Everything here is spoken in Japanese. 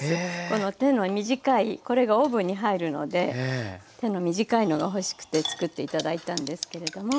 この手の短いこれがオーブンに入るので手の短いのが欲しくて作って頂いたんですけれども。